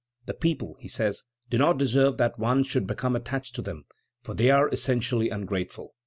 "The people," he says, "do not deserve that one should become attached to them, for they are essentially ungrateful.